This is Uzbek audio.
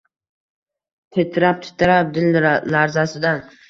Titrab-titrab dil larzasidan